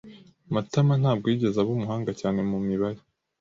Matama ntabwo yigeze aba umuhanga cyane mu mibare.